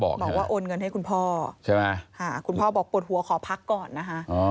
บอกว่าโอนเงินให้คุณพ่อใช่ไหมคุณพ่อบอกปวดหัวขอพักก่อนนะคะ